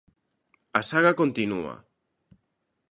A saga continúa.